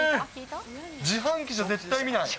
自販機じゃ絶対見ない。